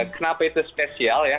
kenapa itu spesial ya